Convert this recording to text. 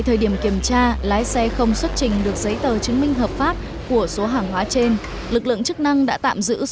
theo quy định của pháp luật